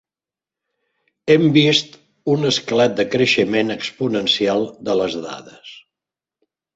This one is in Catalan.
Hem vist un esclat de creixement exponencial de les dades.